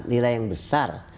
nilai yang besar